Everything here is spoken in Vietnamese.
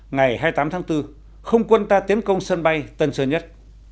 ngày hai mươi tám tháng bốn không quân ta tiến công sân bay tân sơn nhất